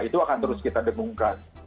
itu akan terus kita dengungkan